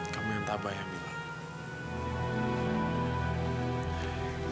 kamu yang tak apa ya mila